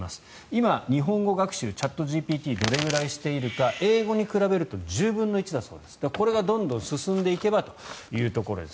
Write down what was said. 今、日本語学習チャットＧＰＴはどれぐらいしているか英語に比べると１０分の１だそうです。これがどんどん進んでいけばというところです。